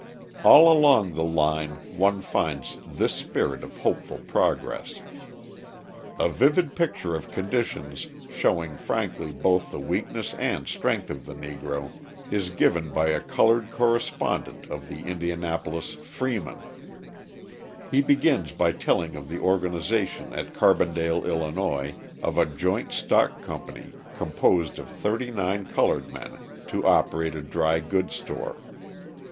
All along the line one finds this spirit of hopeful progress. A vivid picture of conditions, showing frankly both the weakness and strength of the Negro, is given by a coloured correspondent of the Indianapolis Freeman. He begins by telling of the organisation at Carbondale, Ill., of a joint stock company composed of thirty nine coloured men to operate a dry goods store.